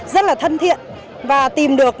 rất là thân thiện và tìm được